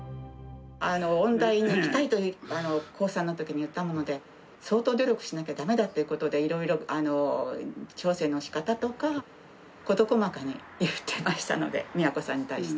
音大に行きたいと高３のときに言ったもので、相当努力しなきゃだめだということで、いろいろ調整のしかたとか、事細かに言ってましたので、三和子さんに対して。